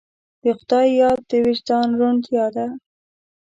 د خدای یاد د وجدان روڼتیا ده.